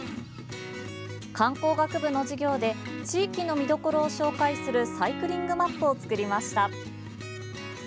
観光学部の授業で地域の見どころを紹介するサイクリングマップを作りました。